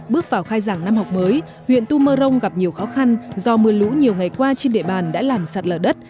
bước vào khai giảng năm học mới huyện tu mơ rông gặp nhiều khó khăn do mưa lũ nhiều ngày qua trên địa bàn đã làm sạt lở đất